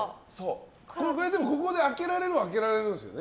ここで開けられるは開けられるんですよね？